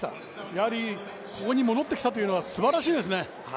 やはりここに戻ってきたというのはすばらしいですね。